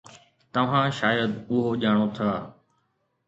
توهان شايد اهو ڄاڻو ٿا